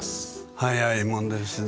早いもんですね。